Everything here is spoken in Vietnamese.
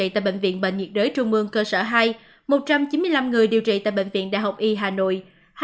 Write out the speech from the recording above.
tại bệnh viện bệnh nhiệt đới trung mương cơ sở hai một trăm chín mươi năm người điều trị tại bệnh viện đại học y hà nội